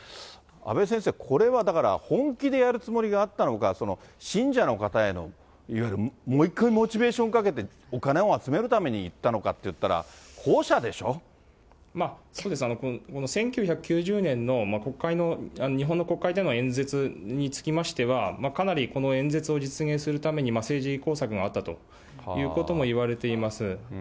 阿部先生、これはだから、本気でやるつもりがあったのか、信者の方への、いわゆるもう一回モチベーションかけてお金を集めるためにいったのかっていったら、まあ、１９９０年の国会の、日本の国会での演説につきましては、かなりこの演説を実現するために政治工作があったということも言われています。